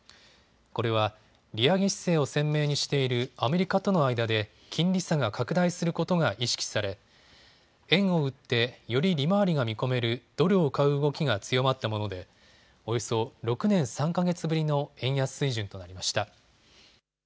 これは利上げ姿勢を鮮明にしているアメリカとの間で金利差が拡大することが意識され円を売ってより利回りが見込めるドルを買う動きが強まったものでおよそ６年３か月ぶりの円安水準となりました。